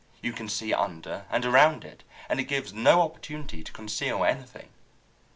You can see under and around it, and it gives no opportunity to conceal anything."